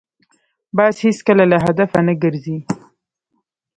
باز هېڅکله له هدفه نه ګرځي